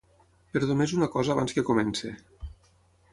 Però només una cosa abans que comenci.